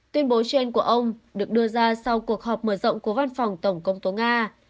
tuyên bố trên của ông được đưa ra sau cuộc họp mở rộng của văn phòng tổng công tố nga